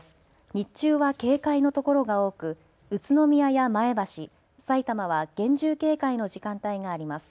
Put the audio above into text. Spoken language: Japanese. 日中は警戒の所が多く宇都宮や前橋さいたまは厳重警戒の時間帯があります。